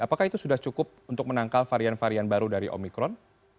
apakah itu sudah cukup untuk menangkal varian varian baru dari omikron